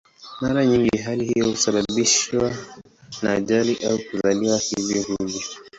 Mara nyingi hali hiyo husababishwa na ajali au kuzaliwa hivyo hivyo.